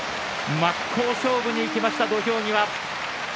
真っ向勝負にいきました、土俵際。